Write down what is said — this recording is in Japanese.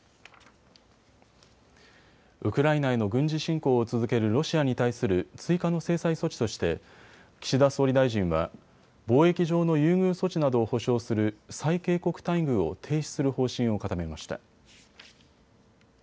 ウクライナへの軍事侵攻を続けるロシアに対する追加の制裁措置として岸田総理大臣は貿易上の優遇措置などを保障する最恵国待遇を停止する方針を固めました。